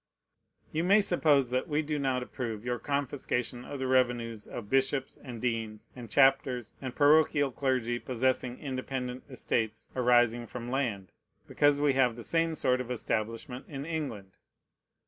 You may suppose that we do not approve your confiscation of the revenues of bishops, and deans, and chapters, and parochial clergy possessing independent estates arising from land, because we have the same sort of establishment in England.